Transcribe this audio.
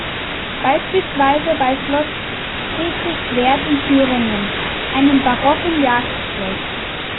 Beispielsweise bei Schloss Friedrichswerth in Thüringen, einem barocken Jagdschloss.